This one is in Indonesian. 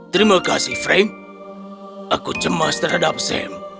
terima kasih frank aku cemas terhadap sam